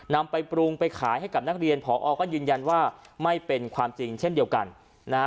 นำไปปรุงไปขายให้กับนักเรียนผอก็ยืนยันว่าไม่เป็นความจริงเช่นเดียวกันนะฮะ